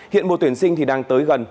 hiện mùa tuyển sinh thì đang tới gần